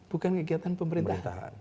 bukan kegiatan pemerintahan